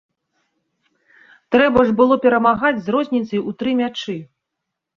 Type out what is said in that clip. Трэба ж было перамагаць з розніцай у тры мячы.